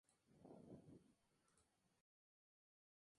Pero pronto abandonó la carrera para dedicarse por completo a la historieta.